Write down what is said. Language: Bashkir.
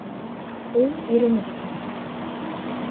Ул иренеп кенә: